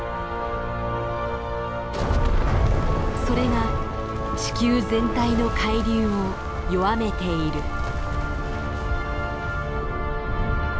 それが地球全体の海流を弱めている。